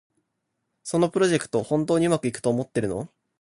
そのプロジェクト、本当にうまくいくと思ってるの？